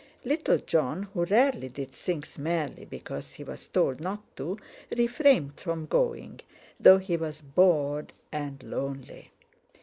Little Jon, who rarely did things merely because he was told not to, refrained from going, though he was bored and lonely.